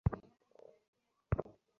আসল কথা হচ্ছে, তুমি ব্যাপারটা ভুলে গিয়েছিলে।